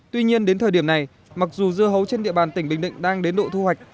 tuy nhiên đến thời điểm này mặc dù dưa hấu trên địa bàn tỉnh bình định đang đến độ thu hoạch